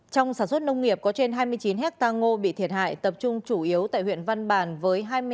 trong sản xuất nông nghiệp có trên hai mươi chín ha ngô bị thiệt hại tập trung chủ yếu tại huyện văn bàn với